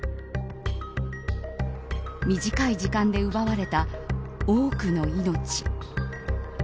短い時間で奪われた多くの命。